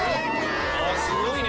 すごいね！